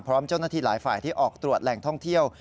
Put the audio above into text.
พร้อมเจ้าหน้าที่หลายฝ่ายที่ออกตรวจแหล่งท่องเที่ยว